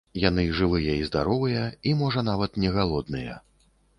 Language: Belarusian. Яны жывыя і здаровыя, і можа нават не галодныя.